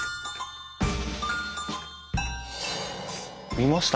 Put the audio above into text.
見ました。